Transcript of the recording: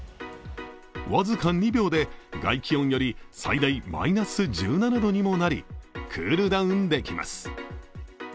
僅か２秒で外気温より最大マイナス１７度にもなりクールダウンできます。